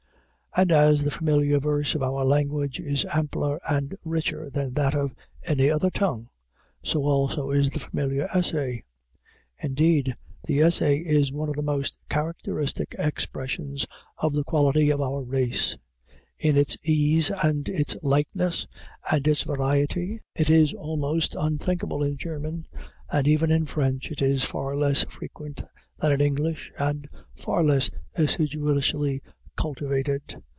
And as the familiar verse of our language is ampler and richer than that of any other tongue, so also is the familiar essay. Indeed, the essay is one of the most characteristic expressions of the quality of our race. In its ease and its lightness and its variety, it is almost unthinkable in German; and even in French it is far less frequent than in English and far less assiduously cultivated.